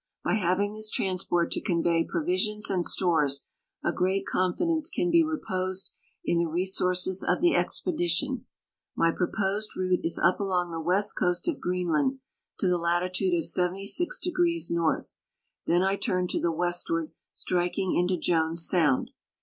By having this transport to convey provisions and stores, a great confidence can be reposed in the resources of the expedition. IMyproposed route is up along the west coast of Greenland to the latitude of 76° north ; then I turn to the westward, striking into Jones sound.